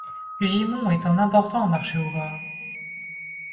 Gimont est un important marché au gras.